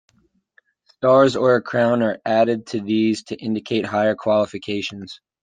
Stars or a Crown are added to these to indicate higher qualifications.